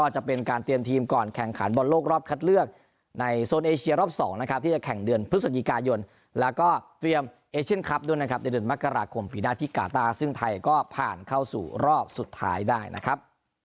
ชัดเลือกในโซนเอเชียรอบสองนะครับที่จะแข่งเดือนพฤศจิกายนแล้วก็เตรียมเอเชียนครับด้วยนะครับในเดือนมกราคมปีนาทิกาตาซึ่งไทยก็ผ่านเข้าสู่รอบสุดท้ายได้นะครับ